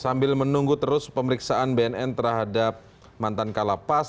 sambil menunggu terus pemeriksaan bnn terhadap mantan kalapas